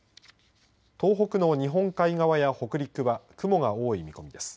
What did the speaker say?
東北の日本海側や北陸は雲が多い見込みです。